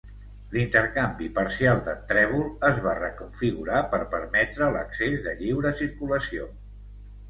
L"intercanvi parcial de trèvol es va reconfigurar per permetre l"accés de lliure circulació.